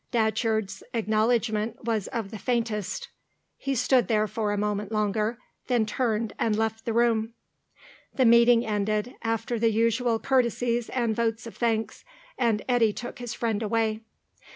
Datcherd's acknowledgment was of the faintest. He stood there for a moment longer, then turned and left the room. The meeting ended, after the usual courtesies and votes of thanks, and Eddy took his friend away.